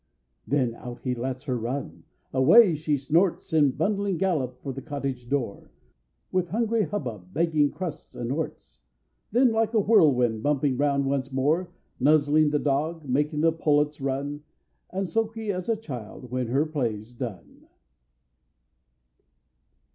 Then out he lets her run; away she snorts In bundling gallop for the cottage door, With hungry hubbub begging crusts and orts, Then like the whirlwind bumping round once more; Nuzzling the dog, making the pullets run, And sulky as a child when her play's done.